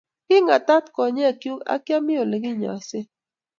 Kingat at konyekchu ko kiami Ole kinyoise